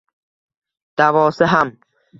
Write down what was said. Davosi ham